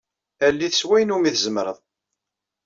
All-it s wayen iwumi tzemreḍ.